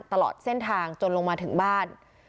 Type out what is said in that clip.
ตลอดเส้นทางจนลงมาถึงบ้าน